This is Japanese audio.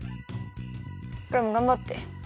クラムがんばって。